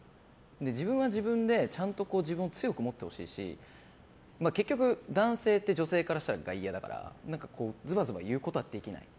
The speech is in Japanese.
自分は自分でちゃんと自分を強く持ってほしいし結局、男性って女性からしたら外野だからずばずば言うことはできない。